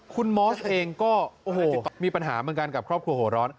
คุณมอสเองก็เคยมีปัญหาเหมือนกันกับครอบครัวหัวร้อน